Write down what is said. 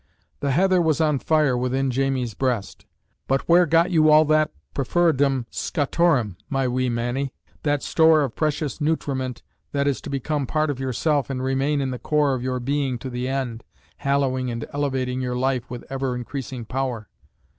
The heather was on fire within Jamie's breast. But where got you all that perferidum Scotorum, my wee mannie that store of precious nutriment that is to become part of yourself and remain in the core of your being to the end, hallowing and elevating your life with ever increasing power?